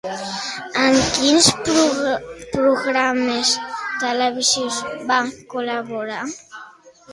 En quins programes televisius va col·laborar?